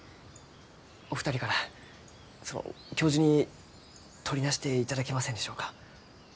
お二人からその教授にとりなしていただけませんでしょうか？